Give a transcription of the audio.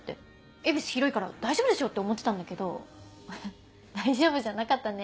恵比寿広いから大丈夫でしょって思ってたんだけど大丈夫じゃなかったね。